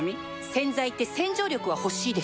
洗剤って洗浄力は欲しいでしょ